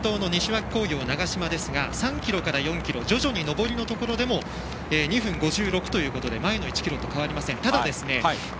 先頭の西脇工業の長嶋ですが３ｋｍから４ｋｍ徐々に上りのところでも２分５６と前の１ｋｍと変わりません。